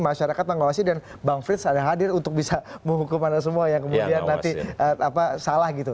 masyarakat mengawasi dan bang frits ada hadir untuk bisa menghukum anda semua yang kemudian nanti salah gitu